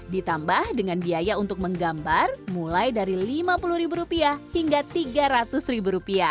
ditambah dengan biaya untuk menggambar mulai dari rp lima puluh hingga rp tiga ratus